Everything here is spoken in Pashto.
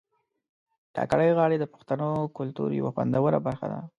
کاکړۍ غاړي د پښتنو کلتور یو خوندوره برخه ده